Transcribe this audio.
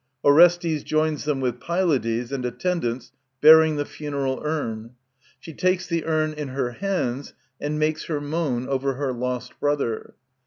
Orestes joins them with Pylades and attendants bearing the funeral urn. She takes the urn in her hands and makes her moan over her lost brother.